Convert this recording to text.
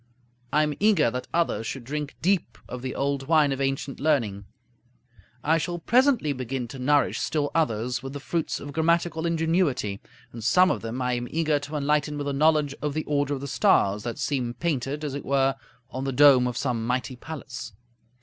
I am eager that others should drink deep of the old wine of ancient learning; I shall presently begin to nourish still others with the fruits of grammatical ingenuity; and some of them I am eager to enlighten with a knowledge of the order of the stars, that seem painted, as it were, on the dome of some mighty palace.